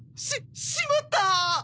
ししまった！